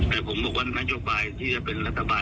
แต่ผมบอกว่าในมันมาจากใบสิ่งที่จะเป็นรัฐบาล